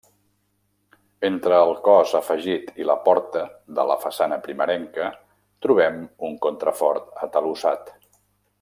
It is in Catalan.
Entre el cos afegit i la porta de la façana primerenca trobem un contrafort atalussat.